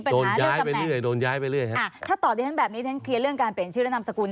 ถ้าตอบที่ท่านแบบนี้ท่านเคลียร์เรื่องการเปลี่ยนชื่อและนามสกุล